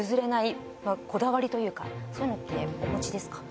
そういうのってお持ちですか？